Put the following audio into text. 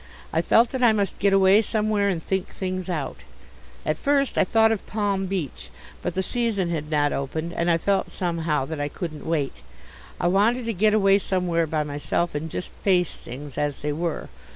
I felt that I must get away somewhere and think things out. At first I thought of Palm Beach, but the season had not opened and I felt somehow that I couldn't wait. I wanted to get away somewhere by myself and just face things as they were.